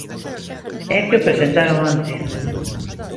¡É que o presentaron onte!